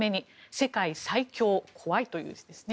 世界最恐、怖いという字ですね。